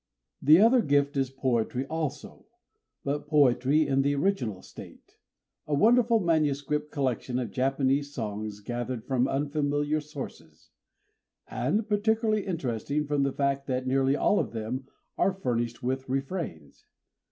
The other gift is poetry also, but poetry in the original state: a wonderful manuscript collection of Japanese songs gathered from unfamiliar sources, and particularly interesting from the fact that nearly all of them are furnished with refrains.